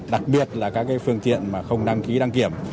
đặc biệt là các phương tiện mà không đăng ký đăng kiểm